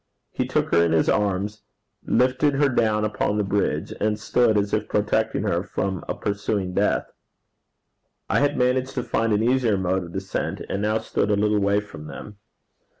He took her in his arms, lifted her down upon the bridge, and stood as if protecting her from a pursuing death. I had managed to find an easier mode of descent, and now stood a little way from them.